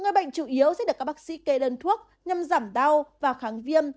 người bệnh chủ yếu sẽ được các bác sĩ kê đơn thuốc nhằm giảm đau và kháng viêm